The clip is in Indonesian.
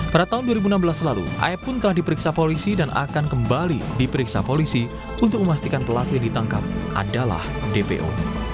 pada tahun dua ribu enam belas lalu ae pun telah diperiksa polisi dan akan kembali diperiksa polisi untuk memastikan pelaku yang ditangkap adalah dpo